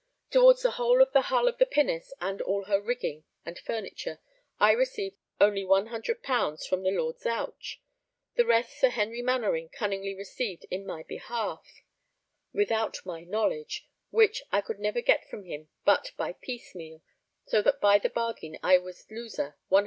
Towards the whole of the hull of the pinnace and all her rigging and furniture I received only 100_l._ from the Lord Zouch, the rest Sir Henry Mainwaring cunningly received in my behalf, without my knowledge, which I could never get from him but by piece meal, so that by the bargain I was loser 100_l.